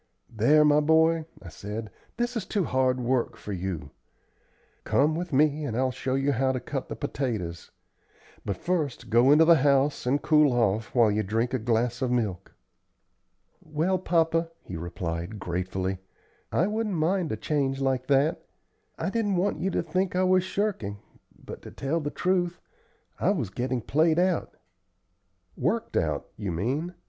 "There, my boy," I said, "this is too hard work for you. Come with me and I'll show you how to cut the potatoes. But first go into the house, and cool off while you drink a glass of milk." "Well, papa," he replied, gratefully, "I wouldn't mind a change like that. I didn't want you to think I was shirking, but, to tell the truth, I was getting played out." "Worked out, you mean.